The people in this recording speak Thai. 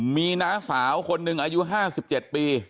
มีน้าสาวคนหนึ่งอายุ๕๗ปี